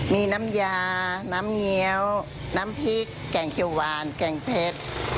มีน้ำยาน้ำเงี้ยวน้ำพริกแกงเขียวหวานแกงเพชร